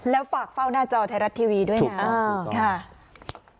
แล้วฝากเฝ้าหน้าจอไทยรัฐทีวีด้วยนะค่ะ